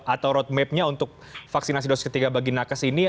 atau roadmapnya untuk vaksinasi dosis ketiga bagi nakes ini